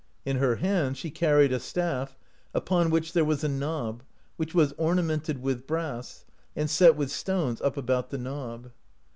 In her hands she carried a staff, upon which there was a knob, which was oma mented with brass, and set with stones up about the knob.